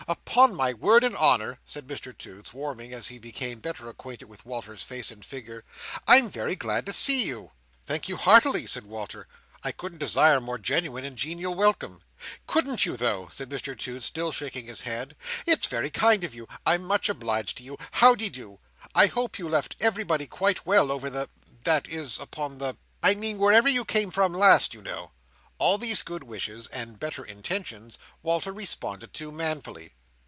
Upon my word and honour," said Mr Toots, warming as he became better acquainted with Walter's face and figure, "I'm very glad to see you!" "Thank you, heartily," said Walter. "I couldn't desire a more genuine and genial welcome." "Couldn't you, though?" said Mr Toots, still shaking his hand. "It's very kind of you. I'm much obliged to you. How de do? I hope you left everybody quite well over the—that is, upon the—I mean wherever you came from last, you know." All these good wishes, and better intentions, Walter responded to manfully.